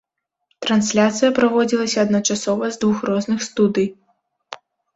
Трансляцыя праводзілася адначасова з двух розных студый.